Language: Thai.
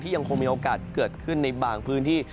ยังคงมีโอกาสเกิดขึ้นในบางพื้นที่